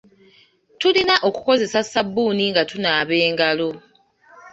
Tulina okukozesa ssabbuuni nga tunaaba engalo.